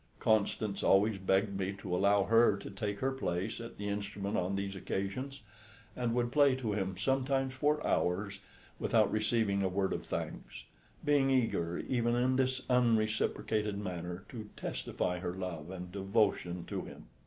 Constance always begged me to allow her to take her place at the instrument on these occasions, and would play to him sometimes for hours without receiving a word of thanks, being eager even in this unreciprocated manner to testify her love and devotion to him.